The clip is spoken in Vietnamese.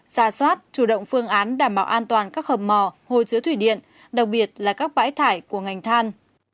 ra soát chủ động phương án đảm bảo an toàn các hầm mò hồ chứa thủy điện đặc biệt là các bãi thải của ngành than